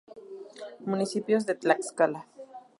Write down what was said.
Municipios de Tlaxcala